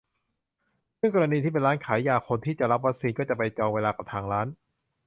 ซึ่งกรณีที่เป็นร้านขายยา คนที่จะรับวัคซีนก็จะไปจองเวลากับทางร้าน